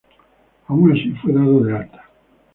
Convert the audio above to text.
Aun así fue dado de alta.